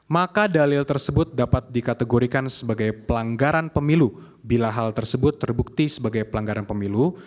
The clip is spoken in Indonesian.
maka dalil tersebut dapat dikategorikan sebagai pelanggaran pemilu bila hal tersebut terbukti sebagai pelanggaran pemilu